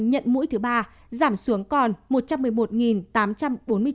nhận mũi thứ ba giảm xuống còn